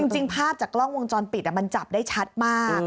จริงภาพจากกล้องวงจรปิดมันจับได้ชัดมาก